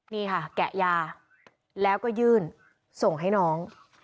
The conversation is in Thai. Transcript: นี่ค่ะแกะยาแล้วก็ยื่นส่งให้น้อง